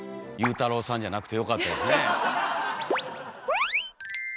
ゆうたろうさんじゃなくてよかったですね。